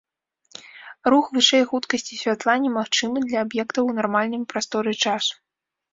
Рух вышэй хуткасці святла немагчымы для аб'ектаў у нармальным прасторы-часу.